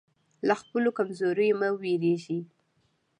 له خپلو کمزوریو مه وېرېږئ.